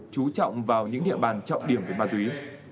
chú trọng vào những địa bàn trọng điểm của ma túy